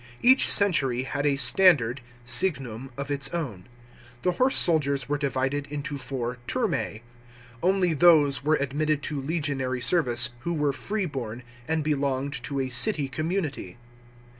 Each century had a standard (siynum) of its own. The horse soldiers were divided into four turmas. Only those were admitted to legionary s. rvice who were frceborn, and belonged to a city community.